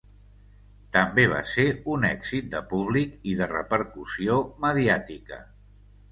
També va ser un èxit de públic i de repercussió mediàtica.